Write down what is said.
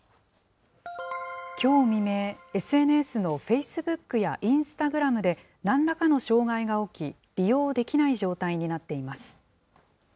きょう未明、ＳＮＳのフェイスブックやインスタグラムで、なんらかの障害が起き、利用できない状態になっています。